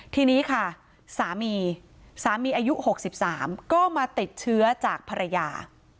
ทีนี้ค่ะสามีสามีอายุ๖๓ก็มาติดเชื้อจากภรรยา